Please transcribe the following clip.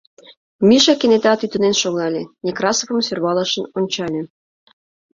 — Миша кенета тӱтынен шогале, Некрасовым сӧрвалышын ончале.